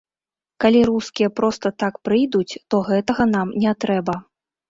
Калі рускія проста так прыйдуць, то гэтага нам не трэба.